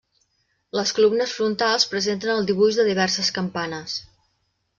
Les columnes frontals presenten el dibuix de diverses campanes.